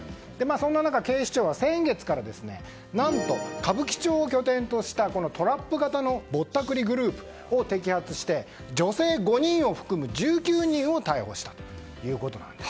そんな中、警視庁は先月から何と歌舞伎町を拠点としたトラップ型のぼったくりグループを摘発して女性５人を含む１９人を逮捕したということです。